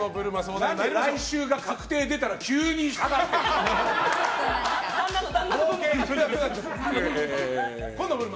何で来週が確定出たら急に下がってるの。